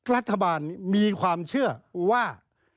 รัฐบาลมีความเชื่อว่า